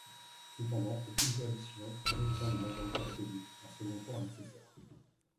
Cependant, aucune coalition n'obtient de majorité absolue, un second tour est nécessaire.